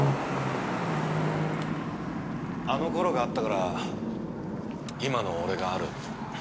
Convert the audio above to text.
あの頃があったから今の俺がある。